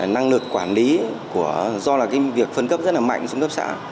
năng lực quản lý do là việc phân cấp rất là mạnh xuống cấp xã